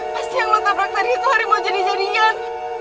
pasti yang ngetabrak tadi itu hari mau jadi jadian